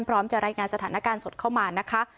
พร้อมจะรายงานสถานการณ์สดเข้ามานะคะ